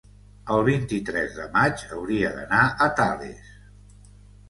El vint-i-tres de maig hauria d'anar a Tales.